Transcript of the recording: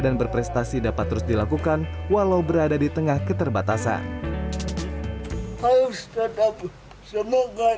dan berprestasi dapat terus dilakukan walau berada di tengah keterbatasan harus tetap semoga